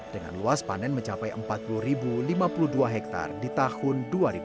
dengan luas panen mencapai empat puluh lima puluh dua hektare di tahun dua ribu dua puluh